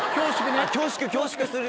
恐縮恐縮する。